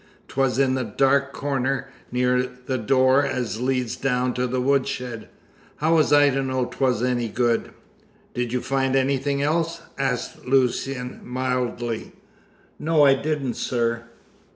'Twas in a dark corner, near the door as leads down to the woodshed. How was I to know 'twas any good?" "Did you find anything else?" asked Lucian mildly. "No, I didn't, sir."